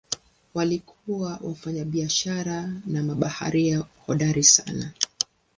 Walikuwa wafanyabiashara na mabaharia hodari sana.